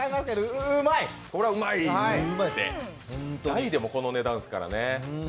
大でもこの値段ですからね。